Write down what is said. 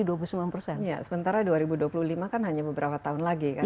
ya sementara dua ribu dua puluh lima kan hanya beberapa tahun lagi kan